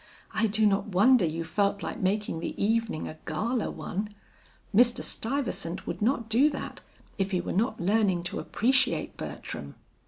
I do not wonder you felt like making the evening a gala one. Mr. Stuyvesant would not do that if he were not learning to appreciate Bertram."